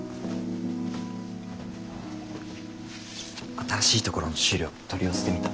新しいところの資料取り寄せてみた。